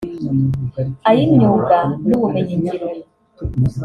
ay’imyuga n’ubumenyingiro